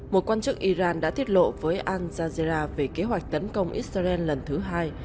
một quan chức iran đã thiết lộ với al zageira về kế hoạch tấn công israel lần thứ hai